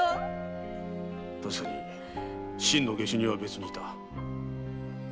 たしかに真の下手人は別にいた。